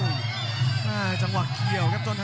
กรรมการเตือนทั้งคู่ครับ๖๖กิโลกรัม